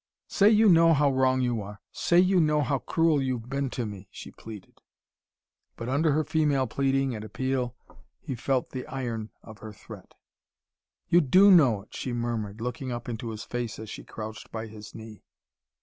"Say you know how wrong you are. Say you know how cruel you've been to me," she pleaded. But under her female pleading and appeal he felt the iron of her threat. "You DO know it," she murmured, looking up into his face as she crouched by his knee.